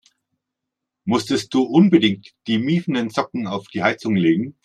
Musstest du unbedingt die miefenden Socken auf die Heizung legen?